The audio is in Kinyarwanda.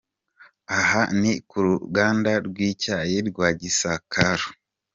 Aha ni ku ruganda rw’icyayi rwa Gisakura.